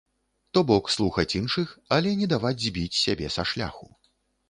То бок, слухаць іншых, але не даваць збіць сябе са шляху.